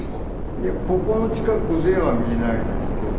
いやここの近くではみないですけど。